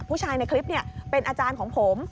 ผู้ชายในคลิปเป็นอาจารย์ของผม